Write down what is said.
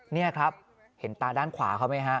นี่ครับเห็นตาด้านขวาเขาไหมฮะ